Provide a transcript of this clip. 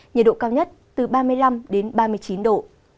nhiệt độ cao nhất từ ba mươi hai ba mươi năm độ